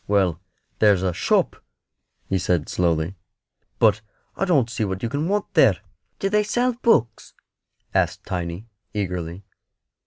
"Well, there's a shop," he said, slowly; "but I don't see what you can want there." "Do they sell books?" asked Tiny, eagerly.